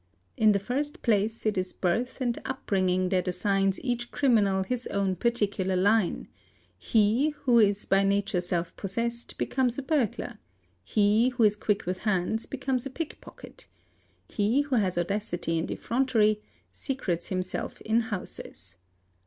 In the first place, it 'is birth and upbringing that assigns each criminal his own particular ime; he who is by nature self possessed, becomes a burglar; he who is fuick with his hands, becomes a pickpocket; he who has audacity and of ontery, secrets himself in houses.